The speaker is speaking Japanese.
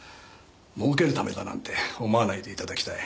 儲けるためだなんて思わないで頂きたい。